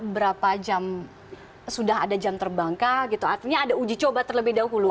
berapa jam sudah ada jam terbang pak artinya ada uji coba terlebih dahulu kan